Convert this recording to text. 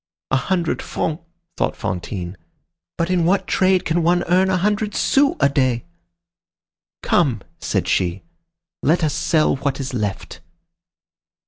"A hundred francs," thought Fantine. "But in what trade can one earn a hundred sous a day?" "Come!" said she, "let us sell what is left."